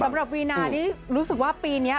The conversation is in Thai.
วีนานี่รู้สึกว่าปีนี้